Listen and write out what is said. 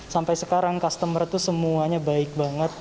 sampai sekarang customer itu semuanya baik banget